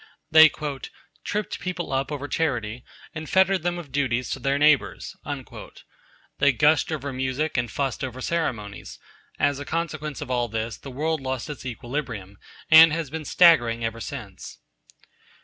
They 'tripped people up over charity, and fettered them with duties to their neighbours.' They gushed over music, and fussed over ceremonies. As a consequence of all this, the world lost its equilibrium, and has been staggering ever since.